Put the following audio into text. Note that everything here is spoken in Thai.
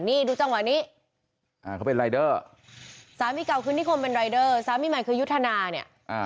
นี่ดูจังหวะนี้เขาเป็นรายเดอร์สามีเก่าคือนิคมเป็นรายเดอร์สามีใหม่คือยุทธนาเนี่ย